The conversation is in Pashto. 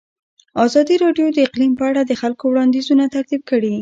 ازادي راډیو د اقلیم په اړه د خلکو وړاندیزونه ترتیب کړي.